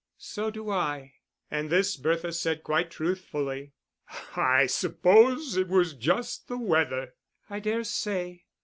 "So do I." And this Bertha said quite truthfully. "I suppose it was just the weather." "I dare say."